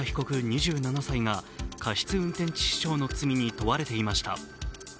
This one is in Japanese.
２７歳が過失運転致死傷の罪に問われていました。